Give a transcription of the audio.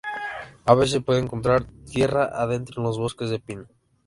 A veces se puede encontrar tierra adentro en los bosques de pino.